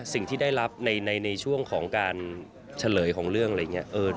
สิ่งที่ได้รับในช่วงของการเฉลยของเรื่องอะไรอย่างนี้